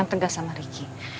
yang tegas sama riki